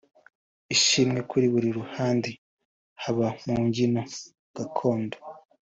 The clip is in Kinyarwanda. Ishimwe kuri buri ruhande haba mu mbyino gakondo